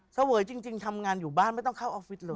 เสวยจริงทำงานอยู่บ้านไม่ต้องเข้าออฟฟิศเลย